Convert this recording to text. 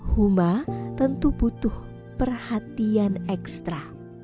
huma tentu butuh perhatian ekstra